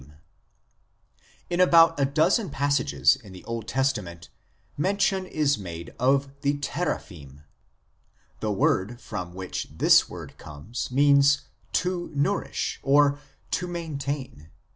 THE TEEAPHIM In about a dozen passages in the Old Testament mention is made of the " Teraphim." The word from which this word comes (epn) means " to nourish " or "to maintain."